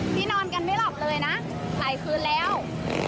นอนกันไม่หลับเลยนะหลายคืนแล้ว